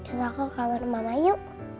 aku ke kamar bapak ayo